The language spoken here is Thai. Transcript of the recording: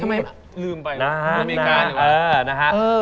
แล้วทำไมลืมไปล่ะอเมริกาหรือวะ